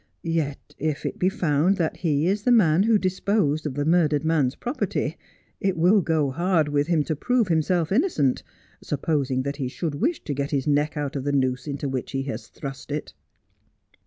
Yet, if it be found that he is the man who disposed of the murdered man's property, it will go hard with him to prove himself innocent, supposing that he should wish to get his neck out of the noose into which he has thrust it.'